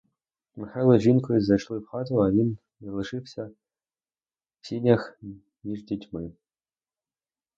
Михайло з жінкою зайшли в хату а він залишився в сінях між дітьми.